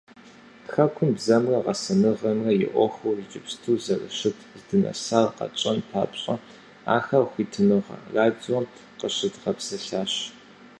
Хэкум бзэмрэ гъэсэныгъэмрэ и Ӏуэхур иджыпсту зэрыщыт, здынэсар къэтщӀэн папщӏэ ахэр Хуитыныгъэ радиом къыщыдгъэпсэлъащ.